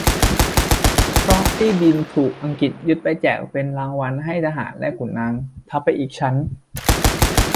เพราะที่ดินถูกอังกฤษยึดไปแจกเป็นรางวัลให้ทหารและขุนนาง ทับไปอีกชั้น